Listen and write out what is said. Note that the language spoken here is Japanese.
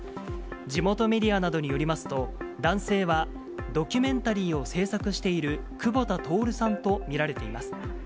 地元メディアなどによりますと、男性は、ドキュメンタリーを制作している久保田徹さんと見られています。